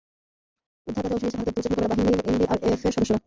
উদ্ধারকাজে অংশ নিয়েছে ভারতের দুর্যোগ মোকাবিলা বাহিনী বা এনডিআরএফের সদস্যরা।